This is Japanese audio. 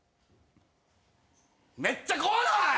めっちゃ怖ない！？